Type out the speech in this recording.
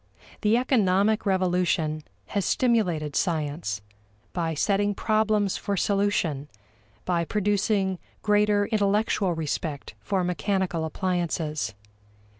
The economic revolution has stimulated science by setting problems for solution, by producing greater intellectual respect for mechanical appliances.